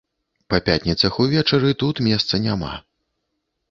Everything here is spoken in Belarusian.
Па пятніцах увечары тут месца няма.